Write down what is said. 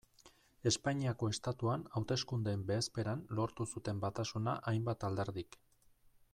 Espainiako Estatuan hauteskundeen bezperan lortu zuten batasuna hainbat alderdik.